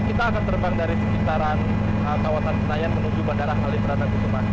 kita akan terbang dari sekitaran kawasan senayan menuju bandara halimbrana kutuma